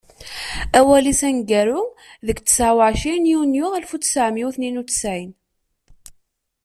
Awal-is aneggaru deg ttɛa u ɛcrin Yunyu alef u ttɛemya u tniyen u ttɛin.